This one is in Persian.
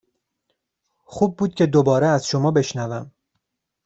خوب بود که دوباره از شما بشنوم.